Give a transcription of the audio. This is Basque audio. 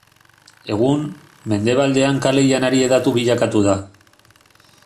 Egun, mendebaldean kale-janari hedatu bilakatu da.